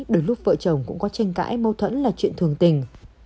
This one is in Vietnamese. đôi lúc vợ chồng cũng có tranh cãi mâu thuẫn là chuyện thường tình